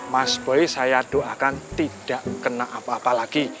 mas boy saya doakan tidak kena apa apa lagi